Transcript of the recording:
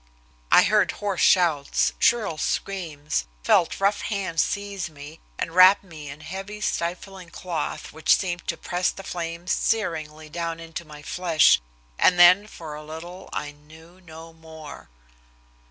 I heard hoarse shouts, shrill screams, felt rough hands seize me, and wrap me in heavy, stifling cloth, which seemed to press the flames searingly down into my flesh, and then for a little I knew no more.